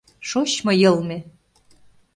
Шочмо йылме!